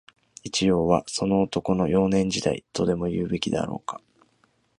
一葉は、その男の、幼年時代、とでも言うべきであろうか